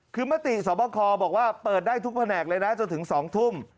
คือมติสวบคบอกว่าเปิดได้ทุกแผนกเลยนะจนถึง๒ทุ่ม